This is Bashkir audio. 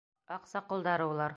Аҡса ҡолдары улар!